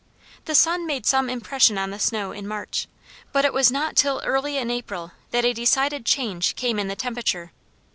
The sun made some impression on the snow in March, but it was not till early in April that a decided change came in the temperature.